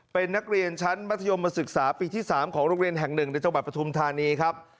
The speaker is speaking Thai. เป็นนักเรียนชั้นมัธยมศึกษาปีที่๓ของโรงเรียนแห่งหนึ่งในจังหวัดปฐุมธานีครับ